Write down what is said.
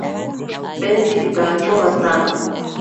Penzi litawachoma sana